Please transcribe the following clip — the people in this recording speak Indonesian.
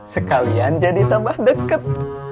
sekalian jadi tambah deket